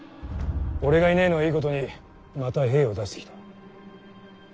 俺がいないのをいいことにまた兵を出してきた。